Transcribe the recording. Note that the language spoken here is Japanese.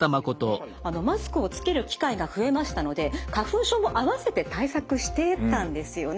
マスクをつける機会が増えましたので花粉症も併せて対策してたんですよね。